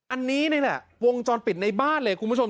อันนี้นี่แหละวงจรปิดในบ้านเลยคุณผู้ชม